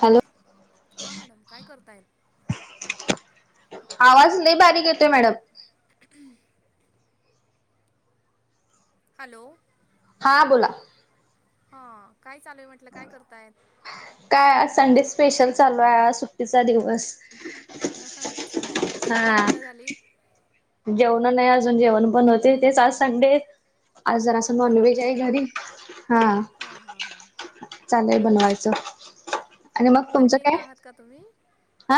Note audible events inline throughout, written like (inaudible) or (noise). Hello हा madam काय करतायत? आवाज लई बारीक येतोय मॅडम. (unintelligible) हालो हां बोला. हा काय चालू ये म्हंटल काय करताय? काय आज संडे स्पेशल चालू ये आज सुट्टीचा दिवस. अच्छा जेवण हा बीवण झाली? जेवण नाय अजून जेवण बनवते तेच आज संडे आज जरास नॉन म्हणून व्हेज ये वेगळं घरी हा. हां हां हां चाललाय अच्छा बनवायचं आणि मग तुमचं वर्किंग काय? आहात का तुम्ही? आ?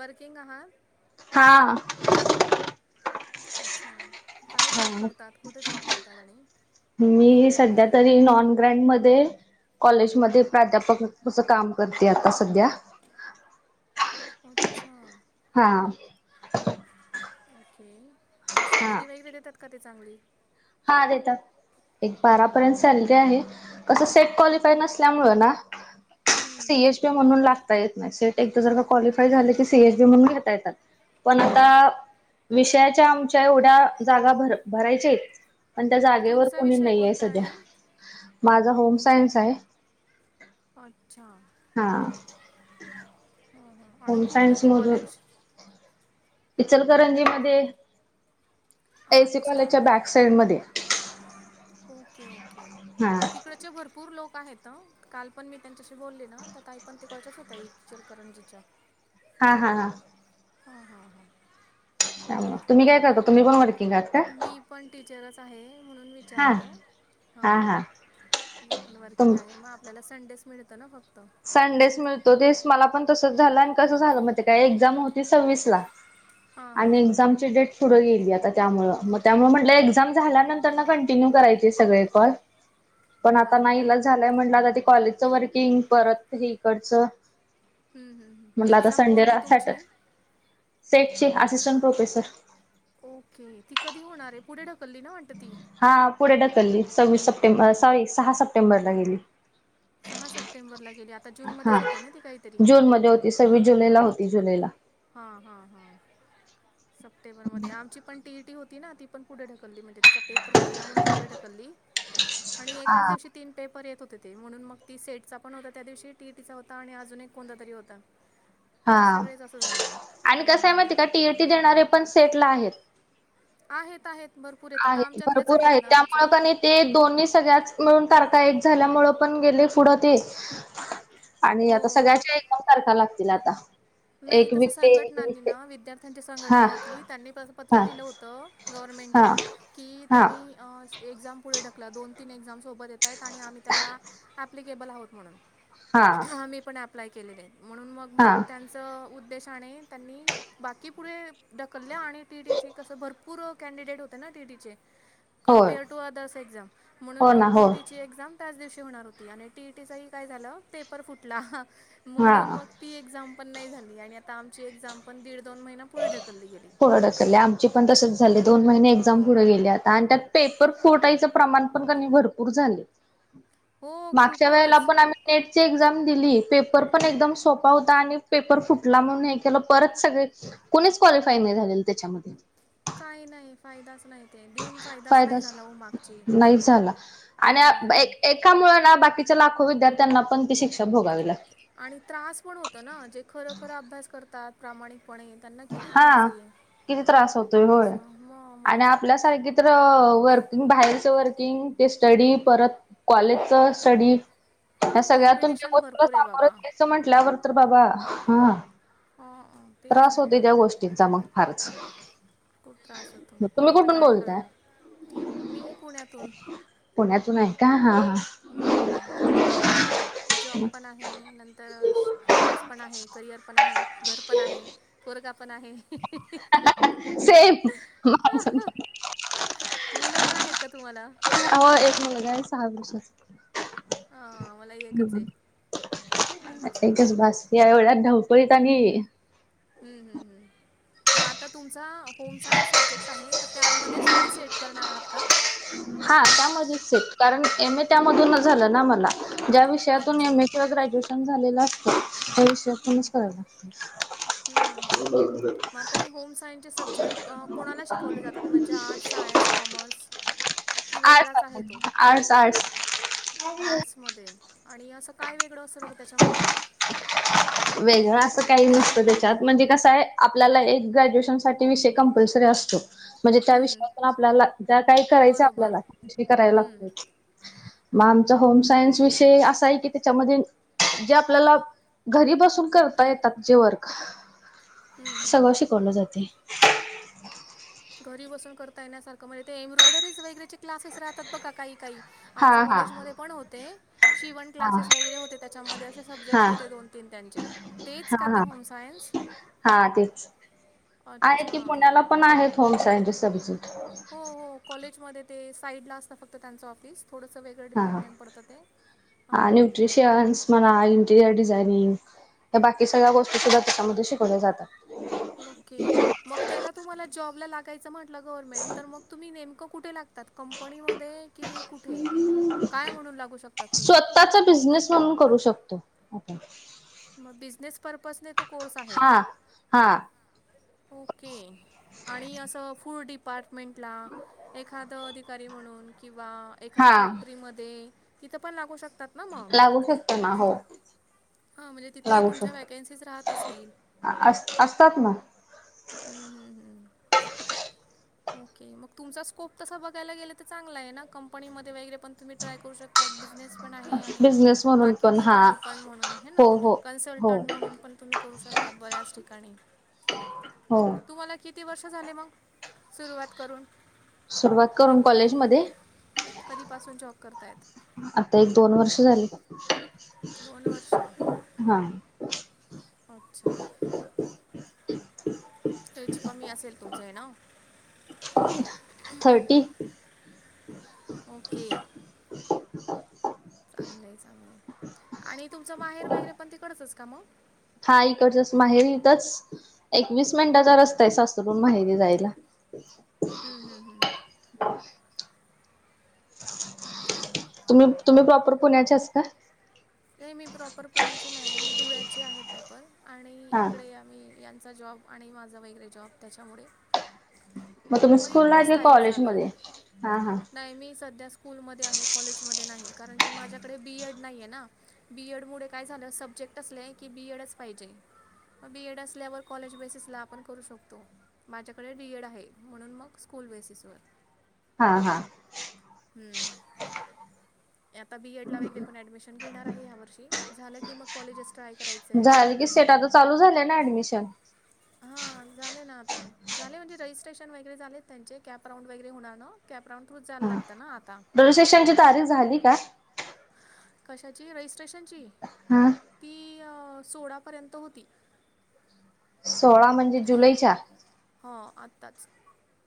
वर्किंग आहात? हां. अच्छा काय जॉब हा करतात कुठे जॉब करतात आणि? मी सध्या तरी नॉन ग्रँड मध्ये कॉलेजमध्ये प्राध्यापक काम करते आता सध्या. अच्छा. हा. ओके मग हा. सॅलरी वगैरे देतात का ते चांगली? हा देतात. एक बारा पर्यंत सॅलरी आहे कसं सेट क्वालिफाय नसल्यामुळं ना हं सीएचबी म्हणून लागता येत नाय सेट एकदा जर एकदा क्वालिफाय झाले की सीएचबी म्हणून घेता येतात. पण आता विषयाच्या आमच्या एवढ्या जागा भर भरायच्यायेत. पण त्या जागेवर तुमचा कोणी विषय नाईये कोणता सध्या आणि? माझा होम सायन्स आहे. अछा. हा. हां आणि होय कुठे आहे सायन्स ते मधून. कॉलेज? इचलकरंजी मध्ये. एसी अच्छा, कॉलेजच्या बॅक साइड मध्ये ओके ओके. हा. तिकडचे भरपूर लोक आहेत हं, काल पण मी त्यांच्याशी बोलली ना तर ताई पण तिकडच्याच होत्या इचलकरंजीच्या. हा हा हा. हा हा हा. हं.. तुम्ही काय करता, तुम्ही पण वर्किं मी पण टीचरच आहे म्हणून हा विचारलं, हा हां हा मी पण वर्किंग तुम आहे मग आप आपल्याला संडेच मिळतं ना फक्त. संडेच मिळतो तेच मला पण तसंच झालं, आणि कसं झालं माहितीये का एक्झाम होती सव्वीस ला. हां हां आणि एक्झाम डेट पुढे गेली आता त्यामुळे मग त्यामुळे म्हटलं, एक्झाम झाल्यानंतर ना कंटिन्यू करायचे सगळे कॉल. (inaudible) पण आता बरोबर नाईलाज झालंय म्हंटलं, आता ते कॉलेजचं वर्किंग परत हे हिकडचं. हं, हं, हं. म्हटलं आता एक्झाम संडे कोणती रा, तुमची Saturday set assistant professor. Okay. ती कधी होणारे, पुढे ढकलली ना वाटतं ती, हा पुढे ढकलली, सव्वीस सप्टेंबर अ सॉरी सहा सप्टेंबरला गेली. सहा सप्टेंबरला गेली आता, जूनमध्येच होती ना ती काही तरी. ती सव्वीस जुलैला होती जुलैला. हा हा हा. सप्टेंबरमध्ये आम पण टीईटी होती ना ती पण पुढे ढकलली, म्हणजे तिचा पेपर फुटला म्हणून पुढे ढकलली. आणि हा एकाच दिवशी तीन पेपर येत होते. ते म्हणून मग ती सेटचा पण होता, त्या दिवशी टीटीचा होता आणि अजून एक कोणता तरी होता. ते हा सगळेच असं. झालं आणि हम्म, कस आहे हम्म, हम्म. माहिती का, टीएटी देणारे पण सेट ला आहेत. आहेत आहेत भरपूर येतात, आहेत आमच्यातलेच भरपूर आहेत ना आमचं. त्यामुळे कणी ते दोन्ही सगळ्याच मिळून तारखा, एक झाल्यामुळं पण गेले पुढं ते. आणि आता हो सगळ्याच्या, एकदम तारखा लागतील आता. नाही एक तसं वीक ते एक वीक संघटनांनी ते ना, विद्यार्थ्यांची हा संघटना होती त्यांनी पत्र हा दिलं होतं. गव्हर्मेंटला हा की हा तुम्ही अ, एक्झाम पुढे ढकला दोन तीन एक्झाम्स. सोबत येत आहेत आणि, आम्ही त्याला ॲप्लिकेबल आहोत म्हणून. हां. मी पण अप्लाय केलेलंय, म्हणून मग मग हा त्यां असं उद्देशाने त्यांनी, बाकी पुढे ढकललं आणि टी टीची. तसं, भरपूर कॅन्डिडेट होते ना टीटीचे. होय कम्पेअर टू अदर्स एक्झाम म्हणून, हो मग ना हो टीएटीची एक्झाम. त्याच दिवशी होणार होती, आणि टीई टीचंही काय झालं पेपर फुटला हा म्हणून मग. ती एक्झाम पण नाही झाली, आणि आता आमची एक्झाम. पण दीड दोन महिना, पुढे ढकलली गेली पुढे ढकली आमची पण तसंच झाले, दोन महिने एक्झाम हो पुढे गेले आता आणि त्यात. पेपर फुटायचं प्रमाण पण, कणी भरपूर झाले हो मागच्या वेळेला खूपच पण आम्ही. नेट ची एक्झाम दिली, पेपर पण एकदम सोपा होता. आणि पेपर फुटला म्हणून, परत सगळे कोणीच, क्वालिफाय नाही झाले तेच्यामध्ये. काय नाही. फायदाच नाही ते देऊन, फायदाच नाही झाला हो मागची नाही झाला. त्यामुळें ना, बाकीच्या लाखो विद्यार्थ्यांना पण ती शिक्षा भोगावी लागते. आणि त्रास पण होतो ना जे, खर खरं अभ्यास करतात प्रामाणिक. पणे त्यांना किती त्रास हा ये, किती त्रास असं म म.. सारखी तर वर्किंग बाहेरचं वर्किंग ते स्टडी परत कॉलेजचं स्टडी या सगळ्यातून. कॉम्पिटिशन भरपूर आहे बाबा (unintelligible) च म्हटल्यावर तर बाबा ह. हा हा. त्रास होते त्या गोष्टींचा मंग फारच. खूप त्रास होतो पण तुम्ही आता कुठून काय बोलताय? करणार मी पुण्यातून पुण्यातून आहे का हा हा. हम्म. जॉब पण आहे नंतर अभ्यास पण आहे करिअर पण आहे घर पण आहे पोरगा पण आहे. (unintelligible) सेम माझ पण मुलं पण आहेत का तुम्हाला? हो एक मुलगा आहे सहा वर्षाचा. हा मला एकच आहे अच्छा. एकच बास या एवढ्या धावपळीत आणि हम्म हम्म हम्म. मग आता तुमचा होम सायन्स सब्जेक्ट आहे तर त्यामध्येच तुम्ही सेट करणार आहात का? हा त्यामध्येच सेट कारण एम ए त्या मधून झालं ना मला. ज्या विषयातून अच्छा एम ए किंवा ग्रॅज्युएशन झालेलं असतं त्या विषयातूनच कराव लागतं. ह (unintelligible) हम हम हम मग आता हे होम सायन्सचे सब्जेक्ट कोणाला शिकवले जातात म्हणजे आर्ट सायन्स कॉमर्स की वेगळाच आहे तो आर्ट्स आर्ट्स आर्ट्स आर्ट्स. मध्ये आणि असं काय वेगळं असेल होतं त्याच्यामध्ये? वेगळं असं काही नसतं त्याच्यात म्हणजे कस आहे आपल्याला एक ग्रॅज्युएशन साठी विषय कंपल्सरी असतो. म्हणजे त्या हं, विषयातून आपल्याला ज्या काय करायचं बरोबर आपल्याला त्याविषयी करायला हं, लागतय. मग आमचा होम सायन्स विषय असा आहे कि जे आपल्याला घरी बसून करता येतात जे वर्क हं, हं. सगळं शिकवलं जाते. घरी बसून करता येण्यासारखं म्हणजे ते एम्ब्रॉयडरीज वगैरेचे क्लासेस राहतात बघा काही काही हा आमच्या हा कॉलेजमध्ये पण होते. शिवण हा क्लासेस वगैरे होते त्याच्यामध्ये असे सब्जेक्ट हा होते दोन तीन त्यांचे. तेच का हा ते हा होम सायन्स? हा तेच आहेत अच्छा की पुण्याला पण आहेत होम सायन्स चे सब्जेक्ट. हो हो कॉलेजमध्ये ते साईड ला असत फक्त त्यांचं ऑफिस. फुडच वेगळं हा डिपार्टमेंट पडतं ते हां. चेयन्स म्हणा इंटिरियर डिझायनिंग या बाकी सगळ्या गोष्टी सुद्धा त्याच्यामध्ये शिकवल्या जातात. मग की मग त्याला तुम्हाला जॉबला लागायचं म्हटलं गव्हर्मेंट तर मग तुम्ही नेमकं कुठे लागतात कंपनीमध्ये कि कुठे काय म्हणून लागू शकतात तुम्ही? स्वतःचा बिझनेस म्हणून करू शकतो आपण. मग बिझनेस पर्पजने तो कोर्स आहे. हा हा ओके आणि अस फूड डिपार्टमेंटला एखाद अधिक दे म्हणून किंवा एखाद्या हा फॅक्टरी मधे तिथं पण लागुं शकतात ना मग लागू शकतो ना हो. हा म्हणजे तिथेही लागू तुमच्या शकतो. वॅकन्सीज राहत असतील. अस असतात ना हम्म हम्म हम्म. ओके मग तुमचा स्कोप तसा बघायला गेलं तर चांगला आहे ना कंपनीमध्ये वगैरे पण तुम्ही ट्राय करू शकता एक बिझनेस पण आहे आणि बिझनेस म्हणून बाकी पण हा ठिकाणी पण म्हणून. है हो हो हो कन्सल्टंट म्हणून पण तुम्ही करू शकता बऱ्याच ठिकाणी. हो. तुम्हाला किती वर्ष झाले मग सुरुवात करून? सुरुवात म्हणजे करून कॉलेजमध्ये. कधीपासून जॉब करतायत. आता एक दोन वर्ष झाली. दोन वर्षं. हां. अच्छा. एज कमी असेल, तुमचं ये ना ओ. थर्टी. ओके (inaudible) चांगलं आहे चांगलं आहे. आणि तुमचं माहेर वगैरे पण तिकडचं का मग? हा इकडचंच माहेर‌ इथंच एकवीस मिनिटाचा रस्ता आहे. सास तिथून माहेरी जायला हम्म हम्म हम्म. ओके. तुम्ही, तुम्ही प्रॉपर पुण्याच्याच कां. नाही मी प्रॉपर पुण्याची नाही मी, धुळ्याची आहे प्रॉपर आणि हा इकडे. मी यांचा जॉब आणि, माझा वगैरे जॉब त्याच्यामुळे. मग तुम्ही म इकडे स्कूलला की स्थायिक झालो कॉलेजमध्ये हा हा नाही मी सध्या स् स्कूलमध्ये आहे कॉलेजमध्ये नाही कारण की माझ्याकडे बी एड नाही आहे ना बी एड मुळे काय झालं सब चेक्टसले की बी एड चं पाहिजे. म बी एड असल्यावर कॉलेज बेसिसला आपण करू शकतो माझ्याकडे बी एड आहे. म्हणून मंग स्कूल बेसीस वर. हा हा. हम्म. आता बी एड ला वगैरे पण ऍडमिशन घेणार आहे या वर्षी झालं की मग कॉलेजस ट्राय करायचं आहे आता झालं की बस सेट झालं आता चालू झालेय ना ऍडमिशन. (inaudible) हां झाले ना आता झाले म्हणजे रजिस्ट्रेशन वगैरे, झालेत त्यांचे कॅप राऊंड वगैरे होणार ना. कॅप राऊंड थ्रू जाय लागतंय. ना आता. रजिस्ट्रेशन ची तारीख झाली का? कशाची रजिस्ट्रेशनची. हम्म. ती सोळापर्यंत होती. सोळा म्हणजे जुलैच्या? ह आत्ताच.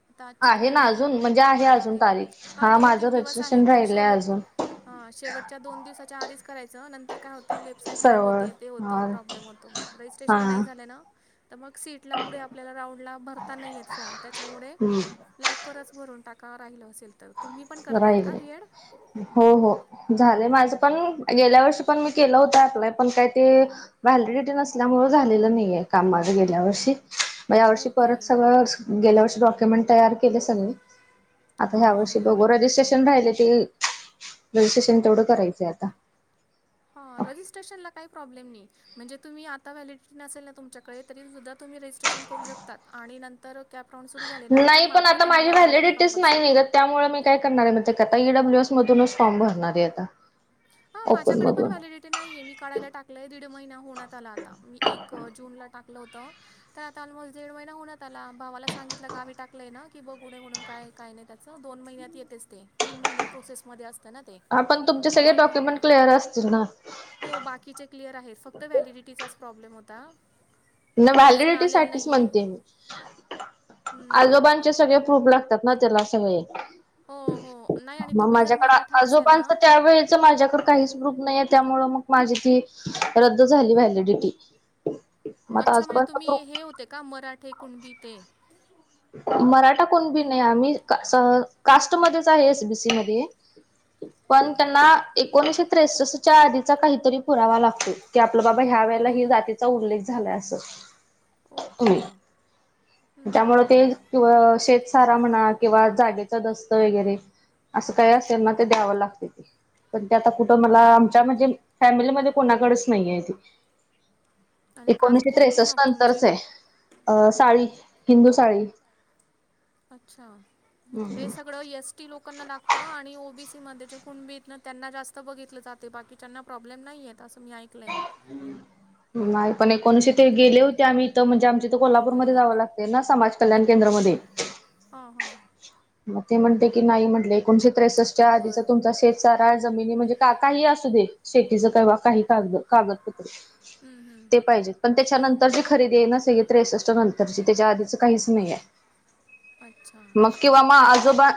आता आजची काय ना आहे अजून म्हणजे बारा अजून आहे तारीख हा दोन माझं तीन दिवस आहे रजिस्ट्रेशन पण राहिलय शेवट अजून हा शेवटच्या दोन दिवसाच्या आधीच करायचं, नंतर काय होतं. वेबसाईट हँग सरवळ होते ते होत हा प्रॉब्लेम होतो, मग रजिस्ट्रेशन हा नाही झालं ना तर मग सीट. इथल्या पुढे, आपल्याला राऊंडला भरता नाहीय फॉर्म त्याच्यामुळे लवकरच भरून टाका, राहिलं असेल तर तुम्ही पण करतायत का राहिल बीएड. हो, हो, झालं माझं पण गेल्या वर्षी पण, मी केलं होत अप्लाय पण काही ते व्हॅलिडिटी नसल्यामुळे झालेलं नाहीये, काम माझं गेल्या वर्षी मग यावर्षी ओके परत सगळं गेल्या, वर्षी डॉक्युमेंट तयार केले सगळे आत्ता हां हां यावर्षी हां रजिस्ट्रेशन राहिले ते रजिस्ट्रेशन तेवढं करायचंय आता. हा. रजिस्ट्रेशनला काही प्रॉब्लेम नाही. म्हणजे तुम्ही आता व्हॅलिडिटी नसेल ना, तुमच्याकडे तरी सुद्धा तुम्ही रजिस्ट्रेशन करू शकतात आणि नंतर कॅप राऊंड सुरू झाले ना की नाही पण मात्र आता माझी तुम्हाला व्हॅलिडीटी व्हॅलिडिटीच नाही कंपल्सरी निघत त्यामुळे मी काय करणार आहे. माहितीये का आता? ई डब्ल्यू एस मधूनच फॉर्म भरणार आहे आता. हा ओपन माझ्याकडे पण मधून व्हॅलिडि ते नाहीये मी काढायला टाकलंय आहे दीड महिना होण्यात आला आता मी एक जूनला टाकलं होतं. तर आता ऑलमोस्ट दीड महिना होण्यात आला भावाला सांगितलं गावी टाकलेय ना की बघ उे म्हणून काय काय नाही त्यात. चल दोन महिन्यात येतेच ते तीन महिने प्रोसेसमध्ये असतं ना ते. हा पण तुमचे सगळे मग डॉक्युमेंट क्लिअर असतील ना? किचे क्लिअर आहेत फक्त व्हॅलिडिटीचाच प्रॉब्लेम होता. ना मग ते अजून व्हॅलिडिटी आलेलं साठीच नाही आहे. म्हणते मी हम्म. आजोबा चे सगळे प्रूफ लागतात ना, त्याला सगळे. हो, हो. नाही आणि मग तुम्ही जर माझ्याकडे मराठा असाल ना आजोबांच त्यावेळे चं माझ्याकडं काहीच प्रूफ नाहीे त्यामुळं मग माझी ती रद्द्द झाली व्हॅलिडिटी. मग आता अच्छा म्हणजे आजोबांचा प्रूफ तुम्ही हे होते का मराठे कुणबी ते. मराठा कुणबी नाही आम्ही असं कास्टमध्येध्येच आहे एसबीसी मध्ये. (inaudible) पण त्यांना एकोणीशे त्रेसष्टच्या आधीचा काहीतरी पुरावा लागतोय, की आपलं बाबा ह्या वेळेला ह जाती. चा उल्लेख झाला असं. ओके! हं, हं, त्यामुळ ते हं. क शेतसारा म्हणा किंवा जागेचं दस्त वगैरे. असं काय असंना ते द्यावं लागते ते पण ते आता कुठं मला आमच्या म्हणजे फॅमिलीमध्येध्ये कोणाकडेच नाहीये ते. आणि कास्ट एकोणीसशे कोणती मग त्रेसष्ट तुमची? नंतरच आहे अ साळी हिंदू साळी. अच्छा ते सगळं यस्. लोकांना लागतं आणि ओबीसी मध्ये जे कुणबी त्यांना जास्त बघितलं जाते बाकी च्यांना प्रॉब्लेम नाहीयेत असं मी ऐक. नाही पण एकोणीशी ते गेले होते आम्ही इथ म्हणजे आमचे त कोल्हापूरमध्ये हं. जावं लागते ना समाज कल्याण केंद्रमध्ये. हा हा मग ते म्हणते की नाही म्हटले एकोणीशे त्रेसष्टच्या आधीचा बरं. तुमचा शेेत सारा जमिनी म्हणजे का काही असू दे, शेतीच केव्हा काही का कागदपत्रे हं, हं. ते पाहिजेत. पण त्याच्यानंतरची खरेदी आहे ना सग त्रेसष्ट नंतरची त्याच्या आधीचं काहीच नाही आहे. अच्छा. मग किंवा आपला मग टाईम आजोबा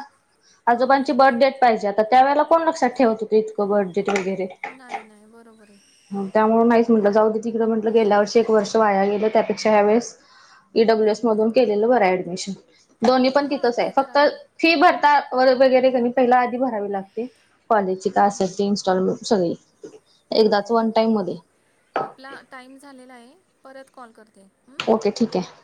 हां. आजोबांची बर्थडेट. पाहिजे आता त्या वेला कोण लक्षात ठेवत होते इतकं बर्डेट वगैरे. नाही नाही बरोबर आहे. त्यामुळे नाहीच म्हटलं जाऊ दे तिकडं म्हटलं गेल्या वर्षी एक वर्ष वाया गेलं त्यापेक्षा वेळैस ई हं, डब्ल्यूएस हं. मधून केलेलं बरं ऍडमिशन दोन्ही पण हां, तिथंच आहे. ते तर फक्त फी भरता वगैरे कमी पहिला आधी भरावी लागते. कॉलेजची का असेल ते इन्स्टॉलमेंट सगळी एकदाच हो. वन टाईम मध्ये. आपला टाईम झालेला आहे परत कॉल करते हम. ओके ठीक आहे.